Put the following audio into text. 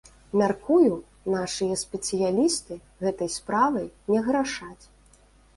Мяркую, нашыя спецыялісты гэтай справай не грашаць.